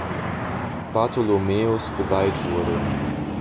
Bartholomäus geweiht wurde.